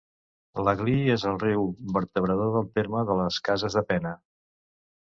L'Aglí és el riu vertebrador del terme de les Cases de Pena.